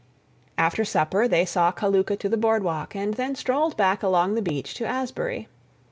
After supper they saw Kaluka to the boardwalk, and then strolled back along the beach to Asbury.